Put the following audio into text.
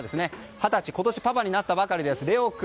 二十歳今年パパになったばかりのレオ君。